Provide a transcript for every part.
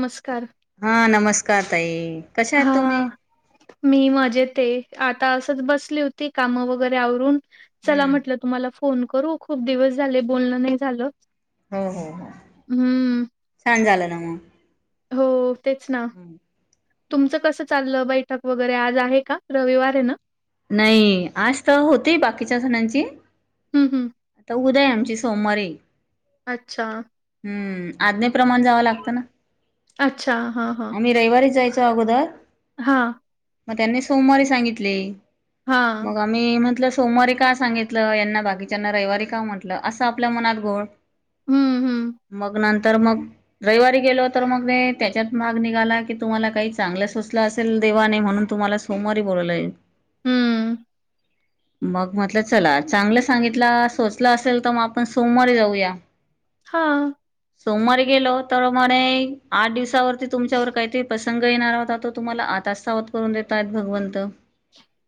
नमस्कार हा नमस्कार ताई, कशा आहेत हा तुम्ही? मी मजेत आहे, आता असंच बसली होती कामं वगैरे आवरून चला हम्म म्हटलं तुम्हाला फोन करू, खूप दिवस झाले, बोलण नाही झालं हो, हो, हो, हम्म छान झालं ना मग. हो तेच ना हम्म तुमचं कसं चाललं बैठक वगैरे, आज आहे का? रविवार आहे ना? नाही, आज तर होती बाकीच्या जणांची हम्म हम्म आता उद्या आहे आमची सोमवारी अच्छा. हम्म. आज्ञेप्रमाणे जावं लागतं ना. अच्छा, हा, हा. जा [unintelligible] हा. मग त्यांनी सोमवारी सांगितले, हा मग आम्ही म्हटलं सोमवारी का सांगितलं? यांना बाकीच्यांना रविवारी का म्हटलं, असं आपल्या मनात घोळ हम्म हम्म मग नंतर मग रविवारी गेलो, तर मग त्याच्यात माग निघाला की तुम्हाला काही चांगलं सुचलं असेल देवाने म्हणून तुम्हाला सोमवारी बोलावलंय हम्म [inaudible] मग म्हटलं चला चांगलं सांगितलं, सुचलं असेल तर मग आपण सोमवारी जाऊया. हा. सोमवारी गेलो, तर म्हणे आठ दिवसावरती तुमच्यावर काहीतरी प्रसंग येणार होता, तो तुम्हाला आताच सावध करून देत आहेत, भगवंत.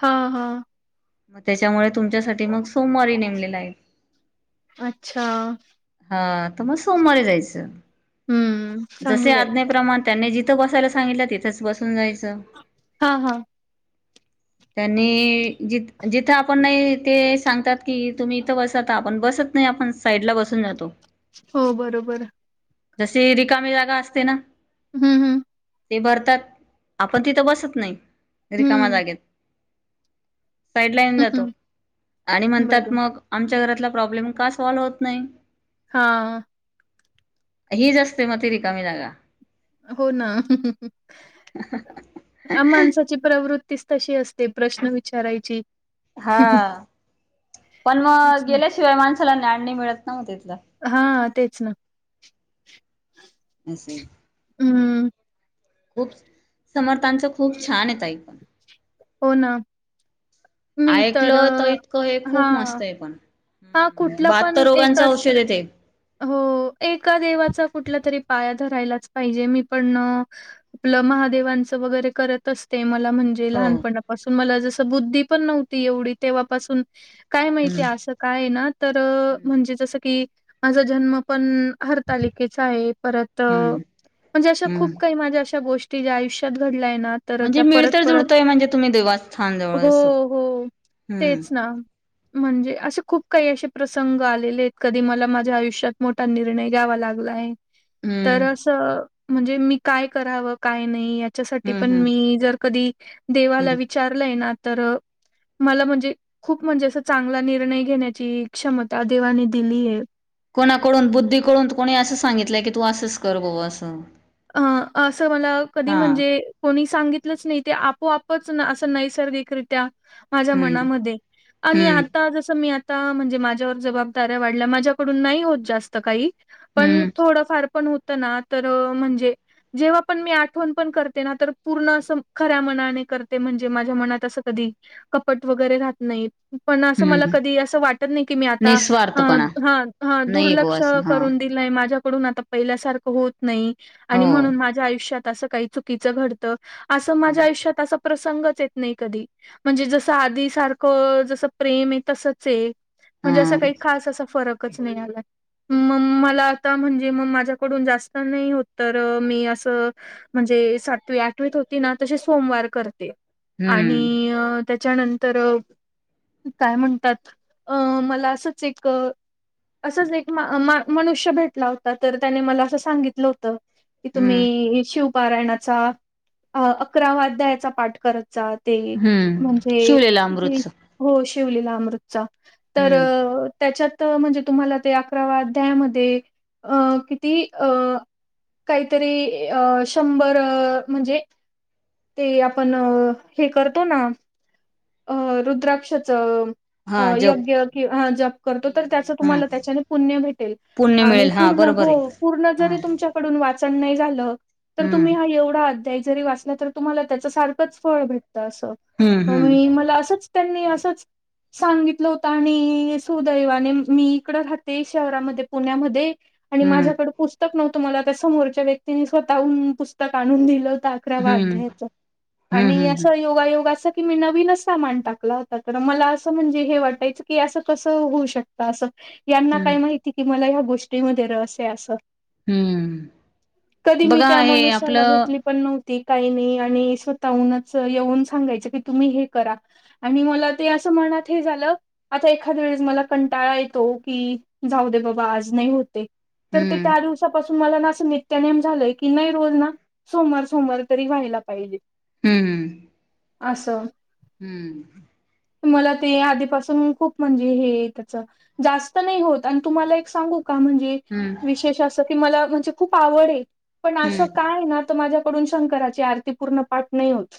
हा, हा. मग त्याच्यामुळे तुमच्यासाठी मग सोमवारी नेमलेला आहे, अच्छा हा. तर मग सोमवारी जायचं, हम्म जसे चांगलंय आज्ञे प्रमाण त्यांनी जिथं बसायला सांगितलं, तिथंच बसून जायचं. हा.. हा.. त्यांनी जि-जिथं आपण नाही. ते सांगतात की, तुम्ही इथं बसता, आपण बसत नाही. आपण साईड ला बसून जातो. हो बरोबर. जशी रिकामी जागा असते ना. हम्म. हम्म. ते भरतात. आपण तिथं बसत नाही रिकामा हम्म जागेत. साईड लाईन हम्म जातो हम्म. आणि म्हणतात बरं मग आमच्या घरात प्रॉब्लेम का सॉल्व्ह होत नाही. हा. हीच असते मग ती रिकामी जागा. हो ना. माणसाची प्रवृत्ती. तीच तशी असते प्रश्न विचारायची. हा. पण मग तेच गेल्याशिवाय माणसाला ज्ञान नई मिळत तिथं. हा. तेच ना. [inaudible] हम्म. खूप समर्थांचं खूप छान आहे, ताई पण. हो ना. मी ऐकलं तर अ, इतकं हे खूप हां, मस्त आहे पण. हां, ह्म्म्म कुठला बहात्तर पण तर एक रोगांच अस औषध आहे ते. हो. एका देवाचा कुठला तरी पाया धरायलाच पाहिजे, मी पण महादेवांच वैगेरे करत असते. मला म्हणजे हो लहानपणापासून मला जस बुद्धी पण नव्हती एवढी तेव्हापासून काय हम्म माहितीय असं काय ना तर हम्म म्हणजे जसं की माझा जन्म पण हरतालिकेचा आहे, परत म्हणजे अशा हम्म खूप काही माझ्या अशा गोष्टी तिजे आयुष्यात घडलंय. तर म्हणजे त्या मिळ परत, तर परत. जुळतोय म्हणजे तुम्ही देवस्थान जवळ हो. असो हो. हम्म तेच ना. म्हणजे असे खूप काही असे प्रसंग आलेले आहेत, कधी मला माझा आयुष्यात मोठा निर्णय घ्यावा लागलाय, तर हम्म अस म्हणजे मी काय करावं काय नाही याच्यासाठी पण हम्म हम्म मी जर कधी देवाला हम्म विचारलंय ना तर, मला म्हणजे खूप म्हणजे असं चांगला निर्णय घेण्याची क्षमता देवानी दिली आहे. कोणाकडून बुद्धीकडून कोणी असं सांगितलंय की तू असंच कर बुवा असं. अ असं मला कधी हा म्हणजे कोणी सांगितलंच नाही ते आपोआप असं नैसर्गिकरित्या माझ्या हम्म मनामध्ये आणि हम्म आता जस मी म्हणजे माझ्यावर जबाबदाऱ्या वाढल्या माझ्याकडून नाही होत जास्त काही पण हम्म थोड फार पण होत ना तर म्हणजे जेव्हा पण मी आठवण पण करते ना तर पूर्ण असं खऱ्या मनाने करते म्हणजे माझ्या मनात असं कधी. कपट वगैरे राहत नाही. पण अस मला हम्म कधी असं वाटत नाही की मी आता अ निस्वार्थपणा ह ह नाही बुवा दुर्लक्ष असं हा करून दिलय माझ्या कडून आता पहिल्यासारखं होत नाही आणि हो म्हणून माझ्या आयुष्यात असं काही चुकीचं घडतं. असं हा माझ्या आयुष्यात असं प्रसंगच येत नाही कधी म्हणजे जसं आधी सारखं जसं प्रेम आहे तसचे. म्हणजे असं हम्म काही खास असा फरक. चं नाही आलाय. म-मग मला आता म्हणजे म-माझ्याकडून जास्त नई होत तर मी असं म्हणजे सातवी आठवीत होती ना तशी सोमवार करते. आणि त्याच्यानंतर काय म्हणतात अ मला असंच एक- असंच एक मनुष्य भेटला होता. तर त्याने मला असं सांगितलं होतं. कि हम्म तुम्ही शिवपारायणाचा अ अकरावा अध्यायचा पाठ करत जात. ते, हम्म म्हणजे, शिवलेलं अमृतच हो शिवलेला अमृतचा तर हम्म त्याच्यात म्हणजे तुम्हाला ते अकरावा अध्यायमध्ये अ किती अ काहीतरी अ शंभर आ म्हणजे ते आपण हे करतो ना अ रुद्राक्षाचं हा जप योग्य कि ह जप करतो. तर यज्ञ त्याचा हा तुम्हाला त्याच्याने पुण्य भेटेल. पुण्य आणि मिळेल हा पूर्ण बरोबर हो, आहे पूर्ण हा जरी तुमच्याकडून वाचन नाही झालं. तर हम्म तुम्ही हा एवढा अध्याय जरी वाचला तर तुम्हाला त्याच सारखंच फळ भेटत. असं, हम्म मग हम्म मी, मला असंच त्यांनी. असंच. सांगितलं होत. आणि सुदैवाने मी इकड राहते शहरामध्ये पुण्यामध्ये आणि हम्म माझ्याकड पुस्तक नव्हतं मला त्या समोरच्या व्यक्तीनी स्वतःह पुस्तक आणून दिलं. अकरावा हम्म अध्यायच आणि हम्म अस हम्म योगायोग असा की मी नवीनच सामान टाकला होत तर. मला असं म्हणजे हे वाटायचं की. असं-कसं होऊ शकत असं. यांना हम्म हम्म काय माहिती कि. मला ह्या गोष्टीमध्ये रस आहे असं. हम्म कधी मी बघा त्या हे माणुष्याला आपलं भेटली पण नव्ह ती, काही नाही आणि स्वतःहूनच येऊन सांगायचं कि तुम्ही हे करा. आणि मला ते असं मनात हे झालं. आता एखाद वेळेस मला कंटाळा येतो. हो की, जाऊदे बाबा आज नाही होत ए, तर ते हम्म त्या दिवसा पासून तुम्हाला ना असं नित्यानेम झालंय की. नाही रोज ना, सोमवार सोमवार तरी व्हायला पाहिजे. हम्म हम्म, अस. हम्म. मला ते आधीपासून खूप म्हणजे हे त्याच, जास्त नाही होत आणि तुम्हाला एक सांगू का म्हणजे. हम्म विशेष अस की मला म्हणजे खूप आवड ए, पण असं हम्म काय ना. तर माझ्या कडून शंकराची आरती पूर्ण पाठ नाही होत.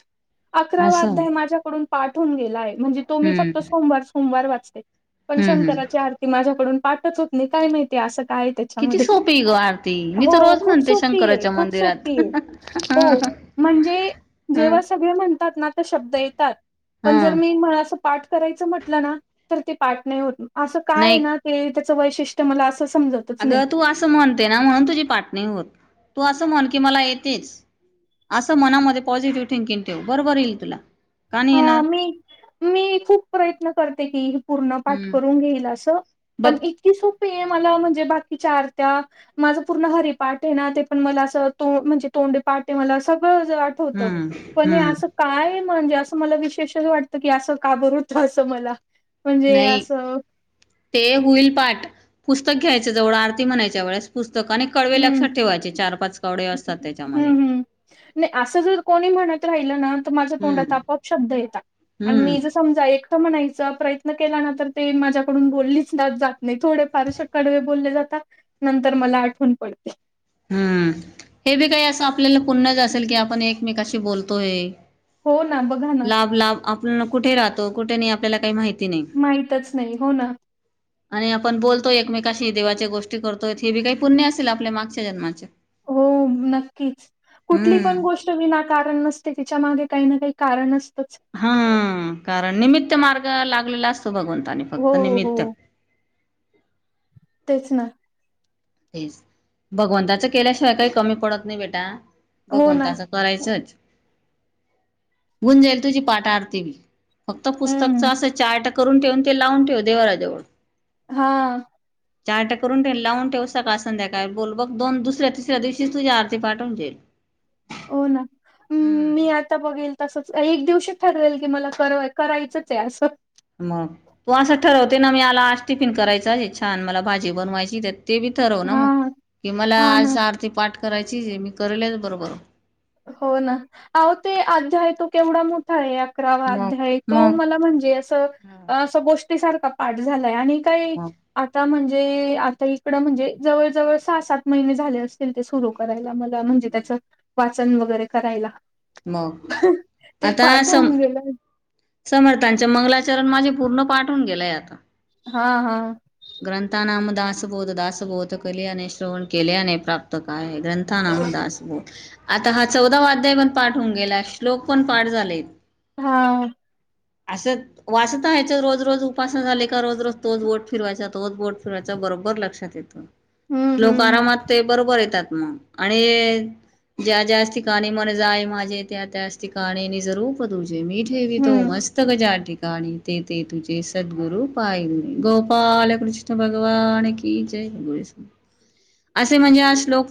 अकरावा असं अध्याय माझ्याकडून पाठ होऊन गेलाय. म्हणजे तो मी फक्त हम्म सोमवार-सोमवार वाचते. पण हम्म हम्म शंकराची आरती माझ्याकडून पाठच होत नाही, काय माहितीय असं का? काय किती त्याच्यामध्ये, सोपी ग आरती मी हो तर रोज खूप म्हणते सोपी ए. शंकराच्या खूप मंदिरात सोपी ए. हो. म्हणजे. ह जेव्हा सगळे म्हणतात ना. तर शब्द येतात. पण हा जर मी मला अस पाठ करायच म्हटलं ना. तर ते पाठ नाही होत. असं काय नाही ना त्याच वैशिष्ट्य मला अस अगं तू असं म्हणते ना. म्हणून तुझी पाठ नाही होत, तू असं म्हण की मला येतेच. असं मनामध्ये पॉझिटिव्ह थिंकिंग ठेव. बरोबर येईल तुला, का नाही हा येणार? मी मी खूप प्रयत्न करते की. पूर्ण पाठ हम्म करून घेईल असं बघ पण इतकी सोप्पी म्हणजे बाकीच्या आरत्या, माझं पूर्ण हरिपाठ हे ना. ते पण मला असं तो म्हणजे तो तोंडी पाठ ये मला, सगळं असं आठवत हम्म पण हे हम्म अस काय म्हणजे असं मला विशेष वाटतं की असं का बर. होत असं मला? म्हणजे नाही, असं ते होईल पाठ. पुस्तक घ्यायचं जवळं आरती म्हणायच्या वेळेस पुस्तक आणि कडवे लक्षात हम्म. ठेवायचे. चार पाच कवडे असतात हम्म, त्याच्यामध्ये, हम्म. नाही असं जर कोणी म्हणत राहिलं ना माझ्या तोंडात हम्म आपोआप शब्द येतात. आणि हम्म मी जर समजा एकट म्हणायच प्रयत्न केला ना तर ते. माझ्याकडून बोललीच जात नाही, थोडे फार असे कडवे बोलले जातात नंतर मला आठवण पडते. हम्म, हे बी काही अस आपल्याला पुण्यज असेल की. आपण एकमेकशी बोलतोय. हो ना, बघा ना. लाभ, लाभ, आपण कुठे राहतो, कुठे नाही, आपल्याला काही माहिती नाही. माहीतच नाही. हो ना. आणि आपण बोलतो एकमेकानं कशी देवाच्या गोष्टी करतोय, हे बी काही पुण्य असेल आपल्या मागच्या जन्माचे. हो, नक्कीच कुठली पण हम्म. गोष्ट विना कारण कारण नसते, तिच्या मागे काही ना काही कारण असतात. हा कारण निमित्त मार्ग लागलेला अस भगवंतानी हो, फक्त निमित्त हो. तेच ना. तेच, भगवंताच केल्याशिवाय काही कमी पडत नाही बेटा. हो भगवंत ना. करायचच, होऊन जाईल तुझी पाठ आरती. फक्त पुस्तकच हं. असं चार्ट करून ठेवून ते लावून ठेव देवराजवळ. हा. चार्ट करून तेन लावून ठेव. सकाळ संध्याकाळी बोल बघ दोन दुसऱ्या तिसऱ्या दिवशी तुझी आरती पाठवून जाईल. हो ना, हम्म मी आता बघेल तस एक दिवशी ठरवेल की मला क करायचंच आहे असं. मग तू असं ठरवते ना मी आला आज टिफिन करायचा छान मला भाजी बनवायची त्या ते बी ठरव ना हा म, की मला हा ना. आज आरती पाठ करायची मी करेलच बरोबर. हो ना, अहो ते अध्याय तो केवढा मोठा हाय. अकरावा मग आध्याय तो मग मला म्हणजे असं अस गोष्टी सारखा पाठ झालाय आणि काय, मग आता म्हणजे जे आता इकड म्हणजे जवळ जवळ सहा सात महिने झाले असतील ते सुरु करायला मला. म्हणजे त्याच वाचन वगैरे करायला. मग ते आता पाठ सम होऊन गेलं समर्थांच मंगलाचरण माझे पूर्ण पाठून गेलंय आता. हा हा. ग्रंथानाम दासबोध दासबोध कलेने श्रवण केल्याने प्राप्त काय. ग्रंथानाम दासबोध, आता हा चौदावा अध्याय पण पाठ होऊन गेलाय. श्लोक पण पाठ झाले. हा असं वाचता याच्या रोज रोज उपासना झाले का रोज रोज तोच बोट फिरवायचा तोच बोट फिवायचा बरोबर बर लक्षात येतो, हम्म श्लोक हम्म. आरामात ते बरोबर येतात. हम आणि ज्या ज्यास ठिकाणी मन जाय मा माझे त्या त्याच ठिकाणी नीजरूप तुझे मी ठेवी तो हम्म मस्त गजा णी ते ते तुझे सद्गुर पाय गोपालकृष्ण भगवान की जय. [unintelligible] असे म्हणजे हा श्लोक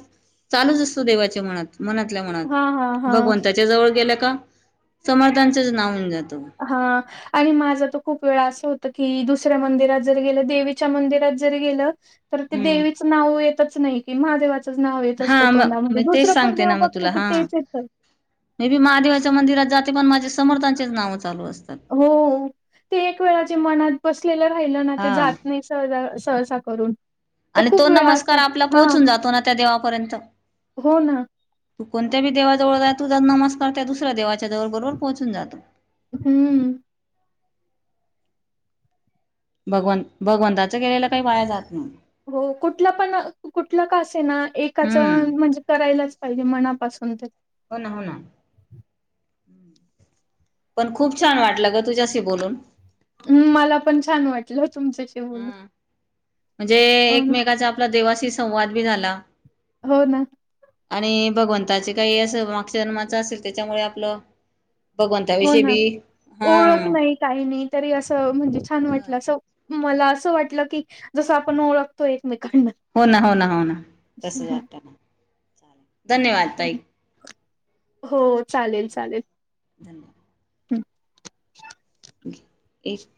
चालूच असतो देवाच्या मनात. मनातल्या म्हनात हा हा हा. भगवंताच्या जवळ गेल्या का समर्थांचंच नावन जात. हा आणि माझा तर खूप वेळा असं होत. कि दुसऱ्या मंदिरात जर गेलं देवीच्या मंदिरात जर गेलं तर ते हम्म देवीचं नाव य येतच नाही की महादेवाच नाव येत हा असतं मग तोंडामध्ये मी तेच दुसरं पण सांगते देव ना मग बघत तुला की हा तेच येत. मे बी महादेवाच्या मंदिरात जाते पण माझे समर्थांचेच नाव चालू असतात हो ते एक वेळा मनात बसलेलं राहिलं ना ते हा जात नाही सहाजा सहसा करून. ते आणि तो खूप वेळा असत नमस्कार आपला हा पोहोचून जातो ना त्या देवापर्यंत. हो ना. तू कोणत्या ब देवाजवळ तुझ नमस्कार त्या दुसऱ्या देवा च्या जवळ बरोबर पोहोचून जातो. हम्म भगवन भगवंताचं केलेलं काही वाया जात नाही. हो कुठलं पण कुठलं का असे ना एकाच हम्म म्हणजे करायलाच पाहिजे मना पासून ते. हो ना, हो ना. पण खूप छान वाटलं ग तुझ्याशी बोलून. हम् मला पण छान वाटलं. तुमच्याशी बोलून हम म्हणजे हो ना एकमेकाचा आपला देवाशी संवाद बी झाला. हो ना. आणि भगवंताचे काही असं माकच्या जन्माच असेल त्याच्यामुळे आपलं हो भगवंताविषयी ना. बी हा ओळख नाही. काही नाही. तरी असं म्हणजे छान वाटलं असं. मला असं वाटलं की. जसं आपण ओळखतोय. हो ना. हो ना. हो ना. तसच वाटतना चा धन्यवाद ताई. हो चालेल-चालेल. धन्यवाद. हम्. एक.